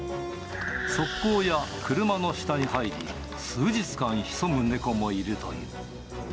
側溝や車の下に入り、数日間潜む猫もいるという。